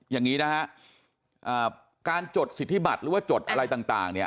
อย่างนี้นะฮะการจดสิทธิบัตรหรือว่าจดอะไรต่างเนี่ย